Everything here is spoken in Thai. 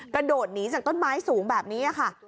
กระโดดหนีจากต้นไม้สูงแบบนี้ค่ะ